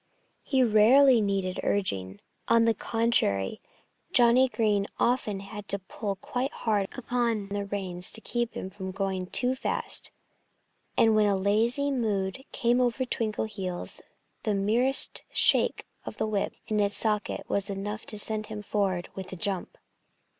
He rarely needed urging. On the contrary, Johnnie Green often had to pull quite hard upon the reins to keep him from going too fast. And when a lazy mood came over Twinkleheels the merest shake of the whip in its socket was enough to send him forward with a jump.